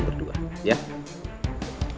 bisa mengikuti jejak langkah lainnya